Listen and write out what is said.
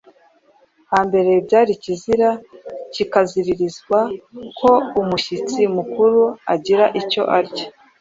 Hambere byari ikizira kikaziririzwa ko umushyitsi mukuru agira icyo arya